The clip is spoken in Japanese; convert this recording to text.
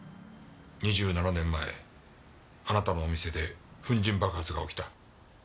２７年前あなたのお店で粉塵爆発が起きた。